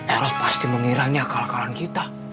eros pasti mengiranya akal akalan kita